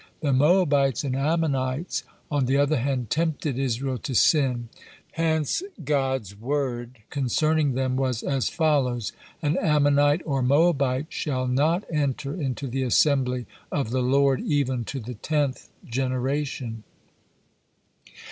The Moabites and Ammonites, on the other hand, tempted Israel to sin, hence God's word concerning them was as follows: "An Ammonite or Moabite shall not enter into the assembly of the Lord, even to the tenth generation."